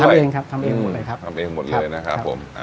ทำเองครับทำเองหมดเลยครับทำเองหมดเลยนะครับผม